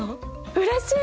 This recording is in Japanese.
うれしい！